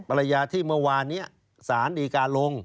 ภรรยาที่เมื่อวานนี้สารดีการลง